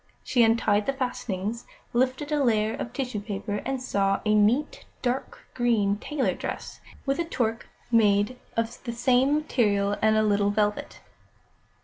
She untied the fastenings, lifted a layer of tissue paper, and saw a neat, dark green tailor dress, with a toque made of the same material and a little velvet.